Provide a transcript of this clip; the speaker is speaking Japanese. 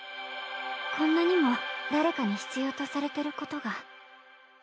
こんなにも誰かに必要とされてることが。